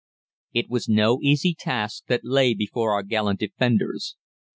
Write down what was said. "It was no easy task that lay before our gallant defenders.